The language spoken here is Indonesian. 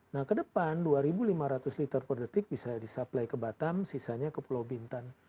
nah ke depan dua lima ratus liter per detik bisa disuplai ke batam sisanya ke pulau bintan